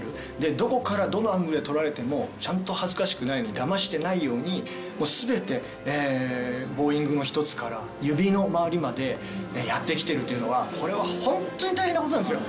どこからどのアングルで撮られてもちゃんと恥ずかしくないようにだましてないように全てボーイングの一つから指のまわりまでやってきてるというのはこれはホントに大変なことなんですよ。